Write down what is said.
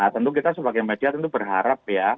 tentu kita sebagai media tentu berharap ya